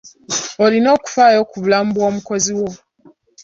Olina okufayo ku bulamu bw'omukozi wo.